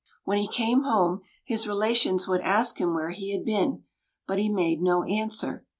When he came home, his relations would ask him where he had been; but he made no answer.